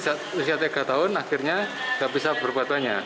jadi setelah tiga tahun akhirnya nggak bisa berbuat tanya